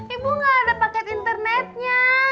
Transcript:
ibu gak ada paket internetnya